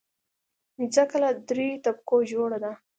مځکه له دریو طبقو جوړه ده.